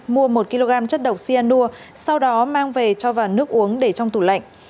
mua một kg chất độc xe nua sau đó mang về cho vào nước uống để trong tủ lạnh